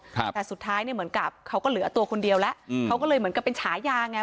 แต่สุดท้ายเนี่ยเหมือนกับเขาก็เหลือตัวคนเดียวแล้วอืมเขาก็เลยเหมือนกับเป็นฉายาไง